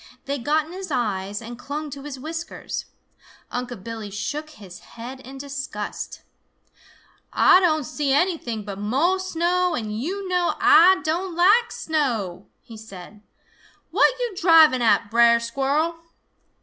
They got in his eyes and clung to his whiskers. Unc' Billy shook his head in disgust. "Ah don' see anything but mo' snow, and yo' know Ah don' like snow!" he said. "What yo' driving at, Brer Squirrel?"